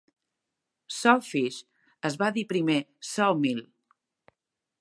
Sawfish es va dir primer Sawmill.